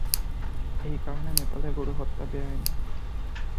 এই কারণে, নেপালে গরু হত্যা বেআইনি।